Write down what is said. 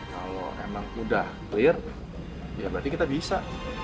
kalau emang udah clear ya berarti kita bisa